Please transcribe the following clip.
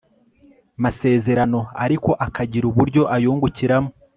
masezerano ariko akagira uburyo ayungukiramo